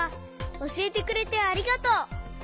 おしえてくれてありがとう！